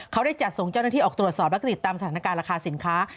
เขาได้จัดส่งเจ้าหน้าที่ออกตรวจสอบแล้วก็ติดตามสถานการณ์ราคาสินค้า